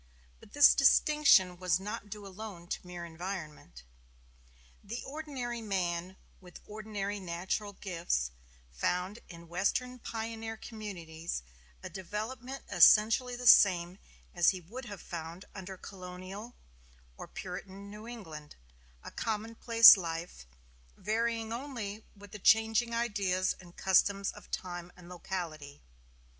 But this distinction was not due alone to mere environment. The ordinary man, with ordinary natural gifts, found in Western pioneer communities a development essentially the same as he would have found under colonial Virginia or Puritan New England: a commonplace life, varying only with the changing ideas and customs of time and locality.